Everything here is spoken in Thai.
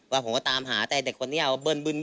ว่าผมก็ตามหาแต่เด็กคนนี้